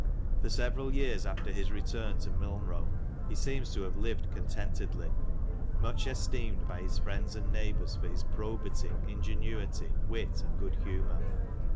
For several years after his return to Milnrow, he seems to have lived contentedly, much esteemed by his friends and neighbours for his probity, ingenuity, wit, and good humour.